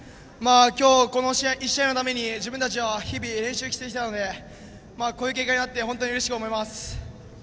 今日、この１試合のために自分たちは日々、練習してきたのでこういう結果になって本当にうれしく思います。